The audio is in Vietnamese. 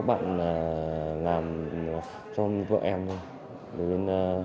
các bạn có một số sống ở chỗ khác có một số sống tại nhà em